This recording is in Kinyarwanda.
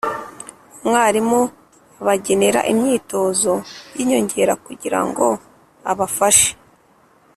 umwarimu abagenera imyitozo y’inyongera kugira ngo abafashe